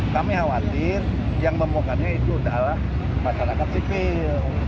kami khawatir yang membongkarnya itu adalah masyarakat sipil